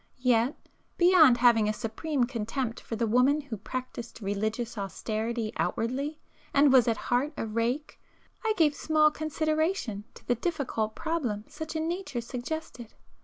Yet, beyond having a supreme contempt for the woman who practised religious austerity outwardly, and was at heart a rake, I gave small consideration to the difficult problem such a nature suggested.